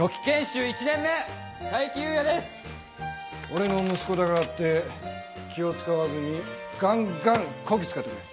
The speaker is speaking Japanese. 俺の息子だからって気を使わずにガンガンこき使ってくれ。